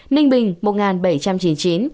ninh bình một bảy trăm chín mươi chín